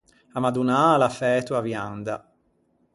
A madonnâ a l’à fæto a vianda.